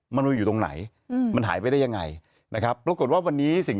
มันมาอยู่ตรงไหนอืมมันหายไปได้ยังไงนะครับปรากฏว่าวันนี้สิ่ง